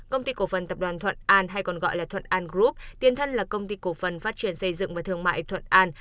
công ty cổ phần tập đoàn thoạn an hay còn gọi là thoạn an group tiên thân là công ty cổ phần phát triển xây dựng và thương mại thoạn an